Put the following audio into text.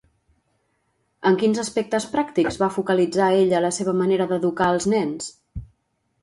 En quins aspectes pràctics va focalitzar ella la seva manera d'educar els nens?